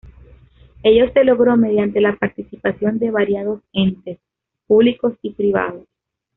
Ello se logró mediante la participación de variados entes, públicos y privados.